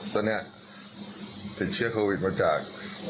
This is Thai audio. ตอนนี้ติดเชื้อโควิดมาจาก